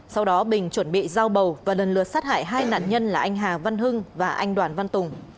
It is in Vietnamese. sau đó bình chuẩn bị giao bầu và lần lượt sát hại hai nạn nhân là anh hà văn hưng và anh đoàn văn tùng